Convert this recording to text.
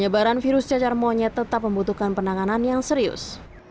penyebaran virus cacar monyet tetap membutuhkan penanganan yang serius